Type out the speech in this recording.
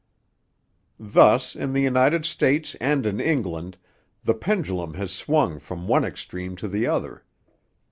Thus, in the United States and in England, the pendulum has swung from one extreme to the other.